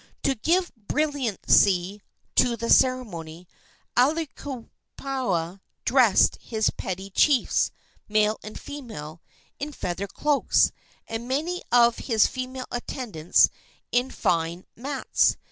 To give brilliancy to the ceremony Aiwohikupua dressed his petty chiefs, male and female, in feather cloaks, and many of his female attendants in fine mats.